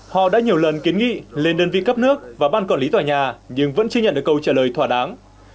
họ đã nhiều lần kiến nghị lên đơn vị cấp nước và ban quản lý tòa nhà nhưng vẫn chưa nhận được câu trả lời thỏa đáng